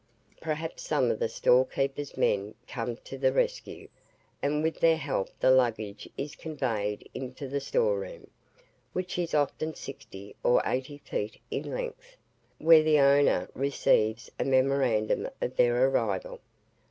Perhaps some of the storekeeper's men come to the rescue, and with their help the luggage is conveyed into the store room (which is often sixty or eighty feet in length), where the owner receives a memorandum of their arrival.